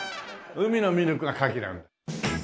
「海のミルク」がカキなんだ。